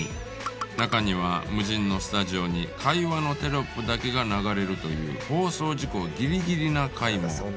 中には無人のスタジオに会話のテロップだけが流れるという放送事故ギリギリな回も！